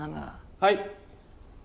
はい。